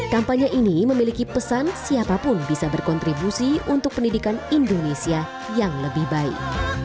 kampanye ini memiliki pesan siapapun bisa berkontribusi untuk pendidikan indonesia yang lebih baik